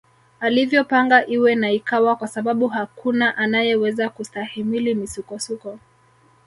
Alivyopanga iwe na ikawa kwasababu hakuna anayeweza kustahimili misukosuko